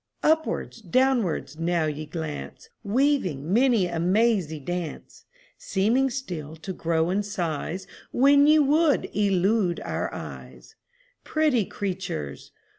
Upwards, downwards, now ye glance, Weaving many a mazy dance; Seeming still to grow in size When ye would elude our eyes Pretty creatures!